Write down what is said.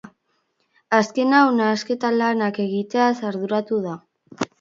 Azken hau nahasketa-lanak egiteaz arduratu da.